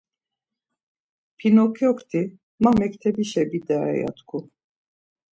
Pinokyokti, ma, mektebişe bidare, ya tku.